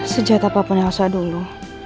sejak apa pun yang usah dulu